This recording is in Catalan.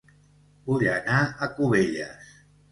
Vull anar a Cubelles